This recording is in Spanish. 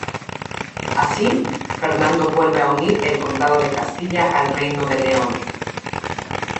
Así, Fernando vuelve a unir el condado de Castilla al reino de León.